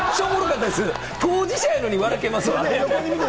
当事者やのに、わらけます。